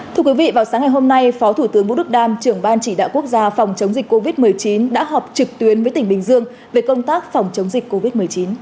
thưa quý vị vào sáng ngày hôm nay phó thủ tướng vũ đức đam trưởng ban chỉ đạo quốc gia phòng chống dịch covid một mươi chín đã họp trực tuyến với tỉnh bình dương về công tác phòng chống dịch covid một mươi chín